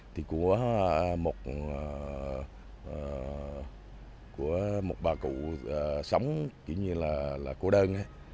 thì của một bà cụ sống kiểu như là cô đơn